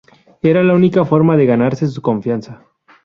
Era la única forma de ganarse su confianza.